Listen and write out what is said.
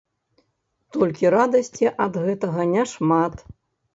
Толькі радасці ад гэтага няшмат.